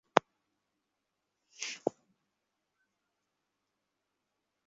একটু চুপ করুন!